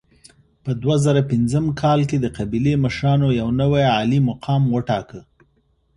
په دوه زره پنځم کال کې د قبیلې مشرانو یو نوی عالي مقام وټاکه.